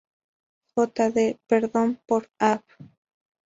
J. D. Perón por Av.